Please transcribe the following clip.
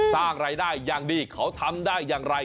สร้างรายได้ยังนี้เขาทำได้ยังไร